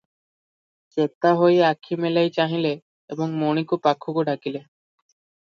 ଚେତା ହୋଇ ଆଖି ମେଲାଇ ଚାହିଁଲେ ଏବଂ ମଣିକୁ ପାଖକୁ ଡାକିଲେ ।